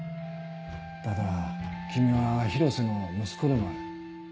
ただ君は広瀬の息子でもある。